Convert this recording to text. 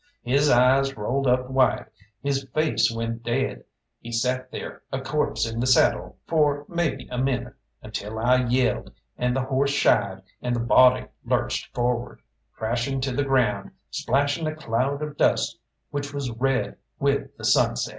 His eyes rolled up white, his face went dead, he sat there a corpse in the saddle for maybe a minute, until I yelled, and the horse shied, and the body lurched forward, crashing to the ground, splashing a cloud of dust which was red with the sunset.